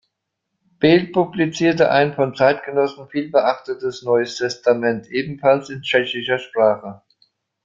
Bel publizierte ein, von Zeitgenossen vielbeachtetes, Neues Testament; ebenfalls in tschechischer Sprache.